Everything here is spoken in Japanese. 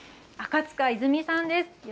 赤塚泉さんです。